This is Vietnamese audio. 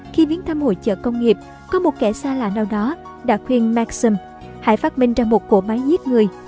khi biến thăm hội chợ công nghiệp có một kẻ xa lạ nào đó đã khuyên maxim hãy phát minh ra một cổ máy giết người